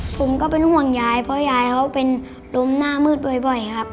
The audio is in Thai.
ผมก็เป็นห่วงยายเพราะยายเขาเป็นลมหน้ามืดบ่อยครับ